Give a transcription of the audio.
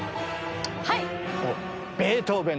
はい！